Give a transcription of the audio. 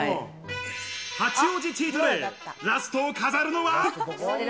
八王子チートデイ、ラストを飾るのは？